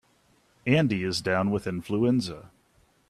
Andy is down with influenza.